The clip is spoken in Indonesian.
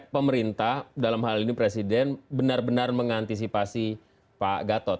pemerintah dalam hal ini presiden benar benar mengantisipasi pak gatot